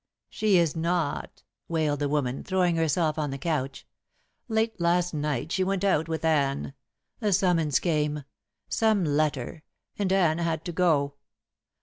"She is not," wailed the woman, throwing herself on the couch. "Late last night she went out with Anne. A summons came some letter and Anne had to go.